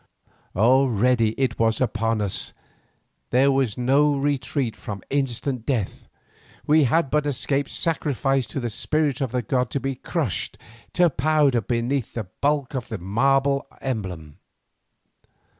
Already it was upon us, there was no retreat from instant death, we had but escaped sacrifice to the spirit of the god to be crushed to powder beneath the bulk of his marble emblem.